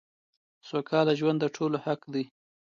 سوکاله ژوند دټولو حق دی .